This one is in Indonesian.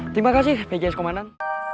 terima kasih pjs komandan